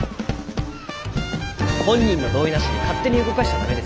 本人の同意なしに勝手に動かしちゃ駄目ですよ。